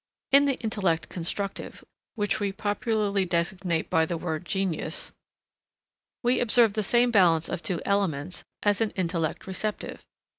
In the intellect constructive, which we popularly designate by the word Genius, we observe the same balance of two elements as in intellect receptive.